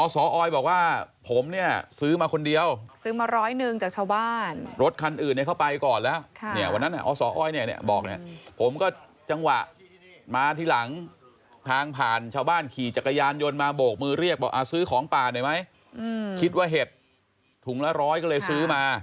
สอยบอกว่าผมเนี่ยซื้อมาคนเดียวซื้อมาร้อยหนึ่งจากชาวบ้านรถคันอื่นเนี่ยเข้าไปก่อนแล้วเนี่ยวันนั้นอสออยเนี่ยบอกเนี่ยผมก็จังหวะมาทีหลังทางผ่านชาวบ้านขี่จักรยานยนต์มาโบกมือเรียกบอกซื้อของป่าหน่อยไหมคิดว่าเห็ดถุงละร้อยก็เลยซื้อมา